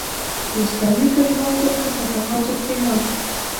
د اسلامي تعلمیاتو په صفحاتو کې هم.